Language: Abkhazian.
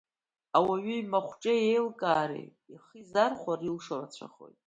Ауаҩы имахәҿеи иеилкаареи ихы изархәар, илшо рацәахоит.